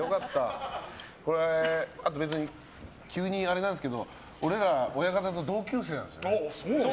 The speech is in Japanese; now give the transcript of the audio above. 急にあれなんですけど俺ら親方と同級生なんですよね。